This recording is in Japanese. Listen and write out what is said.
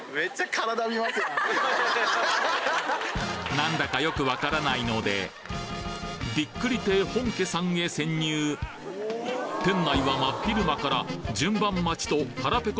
何だかよく分からないので「びっくり亭本家」さんへ潜入店内は真昼間から順番待ちと腹ペコ